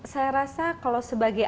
saya rasa kalau sebagai